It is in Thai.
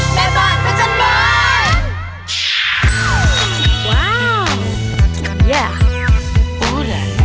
แม่บ้านพระจันทร์บ้าน